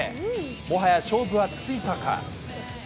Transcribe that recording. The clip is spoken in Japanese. もはや勝負はついたか？